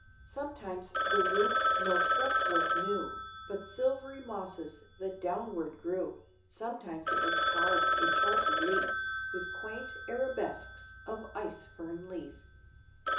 "Sometimes the roof no fretwork knew But silvery mosses that downward grew; Sometimes it was carved in sharp relief With quaint arabesques of ice fern leaf."